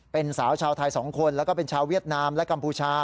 เป็นสาวชาวไทย๒คนแล้วก็เป็นชาวเวียดนามและกัมพูชา